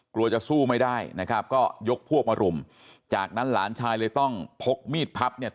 กลัวจะสู้ไม่ได้นะครับก็ยกพวกมารุมจากนั้นหลานชายเลยต้องพกมีดพับเนี่ย